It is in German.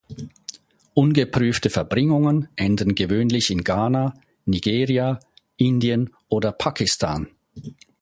Ungeprüfte Verbringungen enden gewöhnlich in Ghana, Nigeria, Indien oder Pakistan.